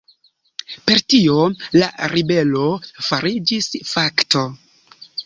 Per tio la ribelo fariĝis fakto.